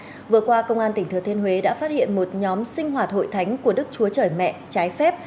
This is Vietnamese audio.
trở lại vừa qua công an tỉnh thừa thiên huế đã phát hiện một nhóm sinh hoạt hội thánh của đức chúa trời mẹ trái phép